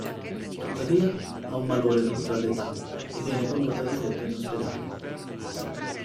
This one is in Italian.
Tuttavia ha un malore dovuto all'età e viene condotta di fretta in ospedale.